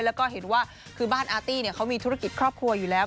แล้วก็เห็นว่าคือบ้านอาร์ตี้เขามีธุรกิจครอบครัวอยู่แล้ว